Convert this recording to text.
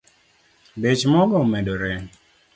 Bech mogo omedore